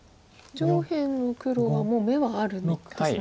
上辺の黒はもう眼はあるんですね。